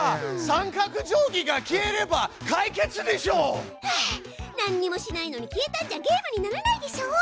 三角定規が消えれば解決でしょう！はあなんにもしないのに消えたんじゃゲームにならないでしょう！